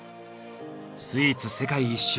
スイーツ世界一周。